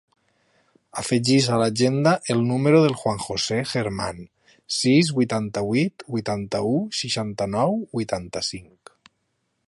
Afegeix a l'agenda el número del Juan josé German: sis, vuitanta-vuit, vuitanta-u, seixanta-nou, vuitanta-cinc.